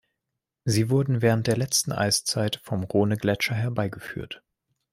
Sie wurden während der letzten Eiszeit vom Rhonegletscher herbeigeführt.